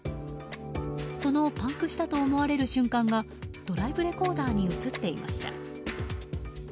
そのパンクしたと思われる瞬間がドライブレコーダーに映っていました。